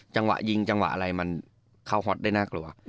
จังหวะยิงจังหวะอะไรมันเข้าฮอตได้น่ากลัว